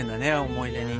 思い出に。